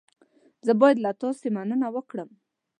زه باید له تاسې مننه وکړم.